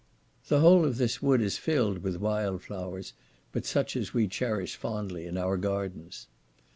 The whole of this wood is filled with wild flowers, but such as we cherish fondly in our gardens.